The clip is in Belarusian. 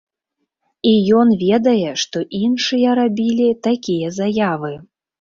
І ён ведае, што іншыя рабілі такія заявы.